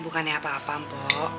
bukannya apa apa empok